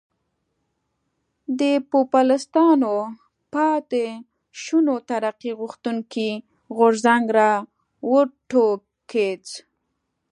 د پوپلستانو پاتې شونو ترقي غوښتونکی غورځنګ را وټوکېد.